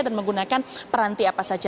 dan menggunakan peranti apa saja